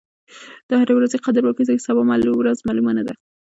د هرې ورځې قدر وکړئ ځکه سبا ورځ معلومه نه ده.